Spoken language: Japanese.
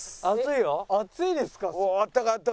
暑いですか。